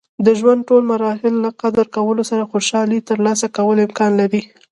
د ژوند د ټول مراحل له قدر کولو سره خوشحالي ترلاسه کول امکان لري.